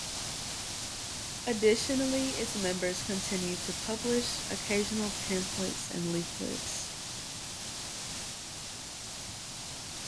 Additionally its members continue to publish occasional pamphlets and leaflets.